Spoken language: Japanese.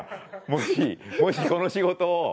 もしもしこの仕事を。